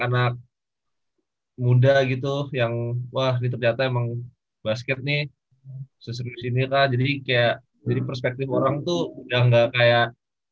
anak anak muda gitu yang wah ini ternyata emang basket nih sesekit sini kan jadi kayak jadi perspektif orang tuh udah gak kayak